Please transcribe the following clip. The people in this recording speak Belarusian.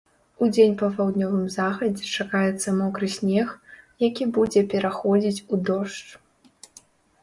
Удзень па паўднёвым захадзе чакаецца мокры снег, які будзе пераходзіць у дождж.